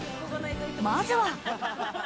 まずは。